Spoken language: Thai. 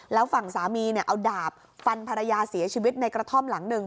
แล้วฝั่งสามีเอาดาบฟันภรรยาเสียชีวิตในกระท่อมหลังหนึ่ง